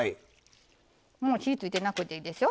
火ついてなくていいですよ。